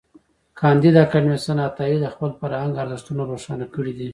کانديد اکاډميسن عطايي د خپل فرهنګ ارزښتونه روښانه کړي دي.